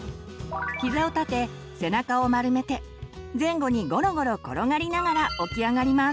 ひざを立て背中を丸めて前後にごろごろ転がりながら起き上がります。